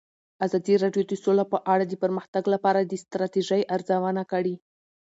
ازادي راډیو د سوله په اړه د پرمختګ لپاره د ستراتیژۍ ارزونه کړې.